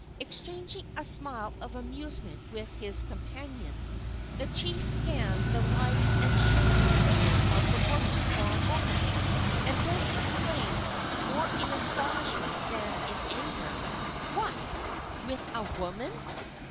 Exchanging a smile of amusement with his companion, the chief scanned the lithe and shapely figure of the woman for a moment, and then exclaimed, more in astonishment than in anger: "What! with a woman?"